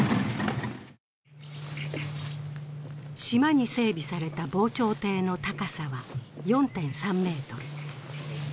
島に整備された防潮堤の高さは４．３ｍ。